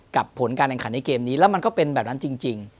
ผลการแข่งขันในเกมนี้แล้วมันก็เป็นแบบนั้นจริง